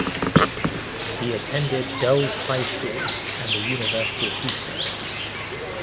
He attended Dulles High School and the University of Houston.